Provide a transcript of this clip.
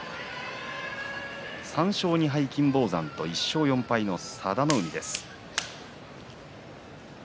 ３勝２敗、金峰山１勝４敗の佐田の海です。